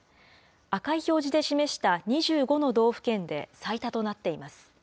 赤い表示で示した２５の道府県で最多となっています。